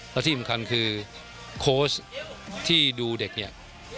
และที่สำคัญคือโค้ชที่ดูเด็กเนี่ย